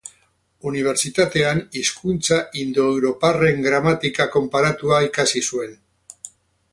Unibertsitatean hizkuntza indoeuroparren gramatika konparatua ikasi zuen.